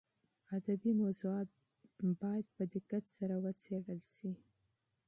ادبي موضوعات باید په دقت سره وڅېړل شي.